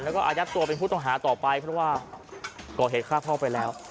แล้วอายะตัวเป็นผู้ต้องหาต่อไปก็เห็ดฆ่าพ่อไปแล้ว